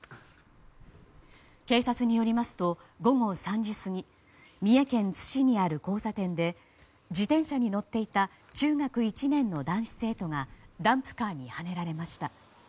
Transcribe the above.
警察によりますと午後３時過ぎ三重県津市にある交差点で自転車に乗っていた中学１年の男子生徒がダンプカーにはねられました。